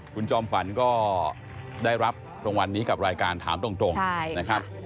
คุณจอมฝันก็ได้รับรางวัลนี้กับรายการถามตรงนะครับ